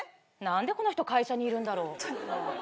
何でこの人会社にいるんだろ？